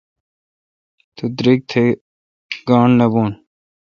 تو درگ تھ گاݨڈ نہ بھو۔